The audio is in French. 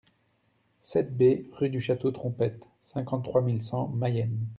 sept B rue du Château Trompette, cinquante-trois mille cent Mayenne